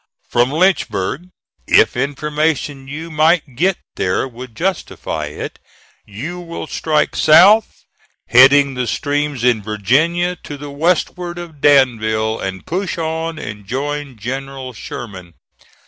From Lynchburg, if information you might get there would justify it, you will strike south, heading the streams in Virgina to the westward of Danville, and push on and join General Sherman.